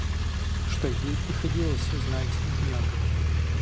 что ей приходилось узнать днем.